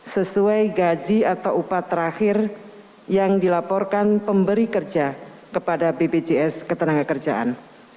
sesuai gaji atau upah terakhir yang dilaporkan pemberi kerja kepada bpjs ketenaga kerjaan